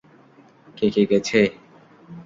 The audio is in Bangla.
কে কে গেছে?